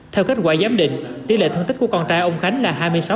theo kết quả giám định tỷ lệ thương tích của con trai ông khánh là hai mươi sáu